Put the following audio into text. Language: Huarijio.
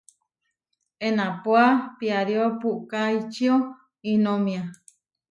Enápua piarío puʼká ičió iʼnómia.